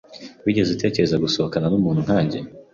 Wigeze utekereza gusohokana numuntu nkanjye?